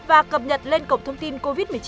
và cập nhật lên cổng thông tin covid một mươi chín